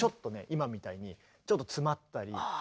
今みたいにちょっと詰まったり。